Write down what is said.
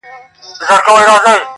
پاچهي لکه حباب نه وېشل کیږي!